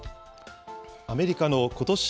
アメリカのことし